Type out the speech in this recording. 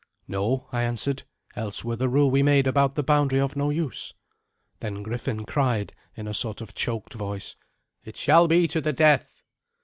"No," I answered; "else were the rule we made about the boundary of no use." Then Griffin cried in a sort of choked voice, "It shall be to the death."